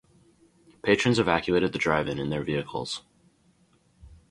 Patrons evacuated the drive-in in their vehicles.